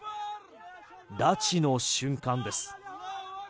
拉致の瞬間です。